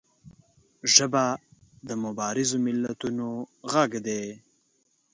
ژبه د مبارزو ملتونو غږ دی